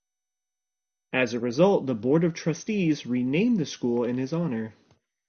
As a result, the Board of Trustees renamed the school in his honor.